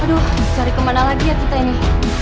aduh cari kemana lagi ya kita ini